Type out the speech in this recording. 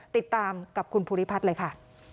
ติดตามกับคุณภูริพัฒน์เลยค่ะ